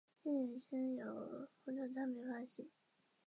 电视原声带由风潮唱片发行。